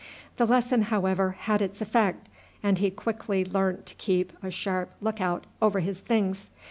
The lesson, however, had its effect, and he quickly learnt to keep a sharp look out over his things.